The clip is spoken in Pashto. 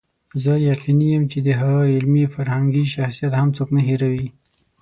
زه یقیني یم چې د هغه علمي فرهنګي شخصیت هم څوک نه هېروي.